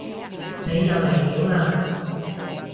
你又嚟料嘞